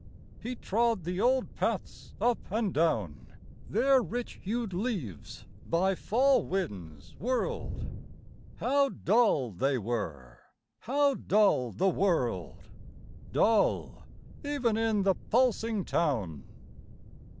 He trod the old paths up and down. Their rich hued leaves by Fall winds whirled— How dull they were—how dull the world— Dull even in the pulsing town.